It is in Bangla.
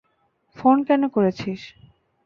ফোন কেন করেছিস?